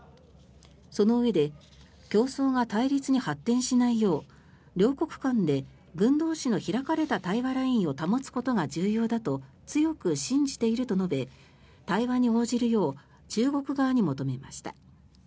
そのうえで競争が対立に発展しないよう両国間で軍同士の開かれた対話ラインを保つことが重要だと強く信じていると述べ対話に応じるよう中国側に求めました。